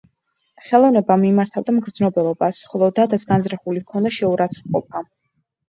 ხელოვნება მიმართავდა მგრძნობელობას, ხოლო დადას განზრახული ჰქონდა შეურაცხყოფა.